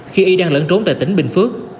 khi y đang lẩn trốn tại tỉnh bình phước